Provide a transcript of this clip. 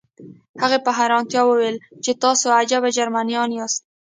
هغې په حیرانتیا وویل چې تاسې عجب جرمنان یاست